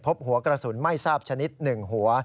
พบหัวกระสุนไม่ทราบชนิด๑หัว